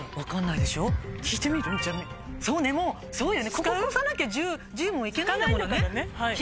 ここ越さなきゃ１０問行けないんだものね。